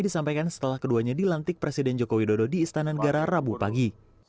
disampaikan setelah keduanya dilantik presiden joko widodo di istana negara rabu pagi